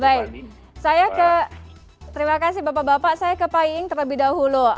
baik saya ke terima kasih bapak bapak saya ke pak iing terlebih dahulu